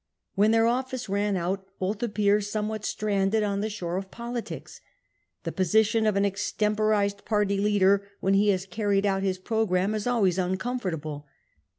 When their office ran out, both appear somewhat stranded on the shore of politics. The position of an extemporised party leader when he has carried out his programme is always uncomfortable.